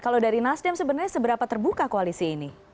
kalau dari nasdem sebenarnya seberapa terbuka koalisi ini